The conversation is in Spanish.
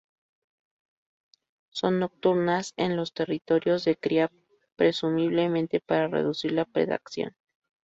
Son nocturnas en los territorios de cría, presumiblemente para reducir la predación.